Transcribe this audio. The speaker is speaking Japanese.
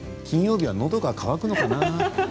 金曜日は、のどが渇くのかな。